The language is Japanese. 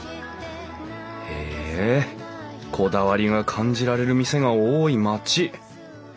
へえこだわりが感じられる店が多い町。